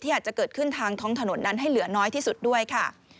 อาจจะเกิดขึ้นทางท้องถนนนั้นให้เหลือน้อยที่สุดด้วยค่ะ